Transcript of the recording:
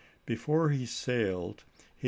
Before he sailed he Nov.